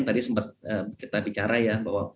tadi sempat kita bicara ya bahwa